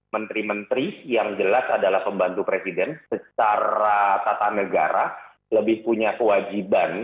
menteri menteri yang jelas adalah pembantu presiden secara tata negara lebih punya kewajiban